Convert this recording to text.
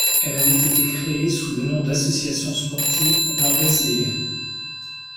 Elle avait été créée sous le nom d'Association Sportive Lambézelléenne.